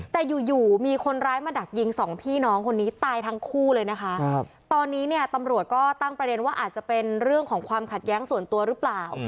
แต่อยู่อยู่มีคนร้ายมาดักยิงสองพี่น้องคนนี้ตายทั้งคู่เลยนะคะตอนนี้เนี่ยตำรวจก็ตั้งประเด็นว่าอาจจะเป็นเรื่องของความขัดแย้งส่วนตัวหรือเปล่า